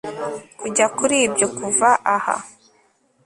kujya kuri ibyo kuva aha